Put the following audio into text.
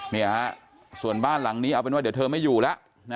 นี่ฮะส่วนบ้านหลังนี้เอาเป็นว่าเดี๋ยวเธอไม่อยู่แล้ว